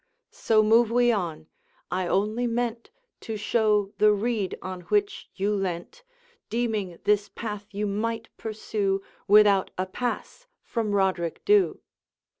So move we on; I only meant To show the reed on which you leant, Deeming this path you might pursue Without a pass from Roderick Dhu.'